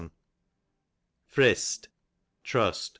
Frist, trust.